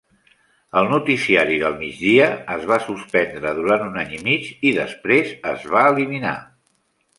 El noticiari del migdia es va suspendre durant un any i mig i després es va eliminar.